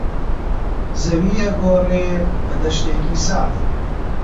زەوی ئەگۆڕێ بە دەشتێکی ساف